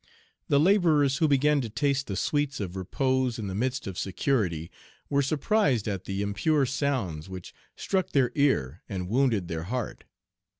"The laborers, who began to taste the sweets of repose in the midst of security, were surprised at the impure sounds which struck their ear and wounded their heart.